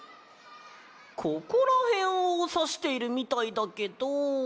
ここらへんをさしているみたいだけど。